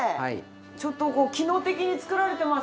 ちょっとここ機能的に作られてますよ。